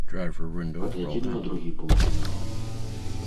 Паглядзім на другі паўфінал.